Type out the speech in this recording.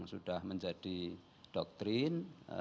sudah menjadi doktrin